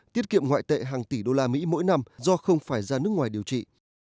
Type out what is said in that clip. tiết kiệm ngoại tệ hàng tỷ đô la mỹ mỗi năm do không phải ra nước ngoài điều trị